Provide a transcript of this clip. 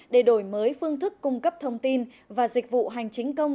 để đổi mới phương thức cung cấp thông tin và dịch vụ hành chính công